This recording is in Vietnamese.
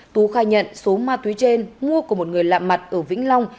tú khai nhận số ma túy trên mua của một người lạm mặt ở vĩnh long